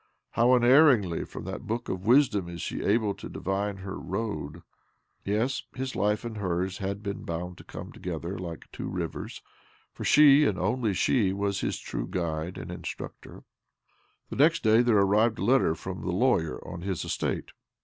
" How unerringly from that book of wisdom is she able to divine her road !" Yes, his life and hers had been bound to come together like two rivers, for she, and only she, was his true guide and instructor. Next day there arrived a letter from the lawyer' on his estate.